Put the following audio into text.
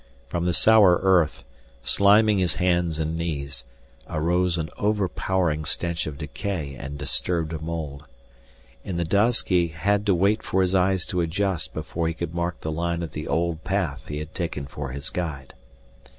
From the sour earth, sliming his hands and knees, arose an overpowering stench of decay and disturbed mold. In the dusk he had to wait for his eyes to adjust before he could mark the line of the old path he had taken for his guide.